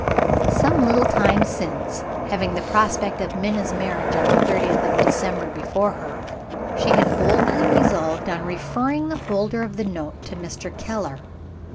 Some little time since, having the prospect of Minna's marriage on the thirtieth of December before her, she had boldly resolved on referring the holder of the note to Mr. Keller.